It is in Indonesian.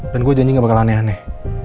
dan gue janji gak bakal aneh aneh